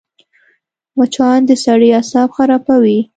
مچان د سړي اعصاب خرابوي